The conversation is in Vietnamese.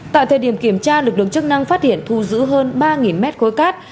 tại thời điểm kiểm tra lực lượng chức năng phát hiện thu giữ hơn ba mét khối cát